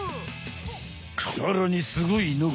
さらにすごいのが。